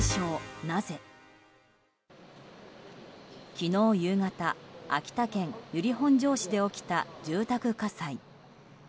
昨日夕方、秋田県由利本荘市で起きた住宅火災。